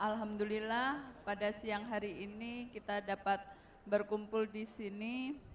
alhamdulillah pada siang hari ini kita dapat berkumpul di sini